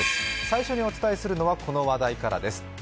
最初にお伝えするのは、この話題からです。